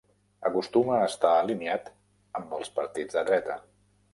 Acostuma a estar alineat amb els partits de dreta.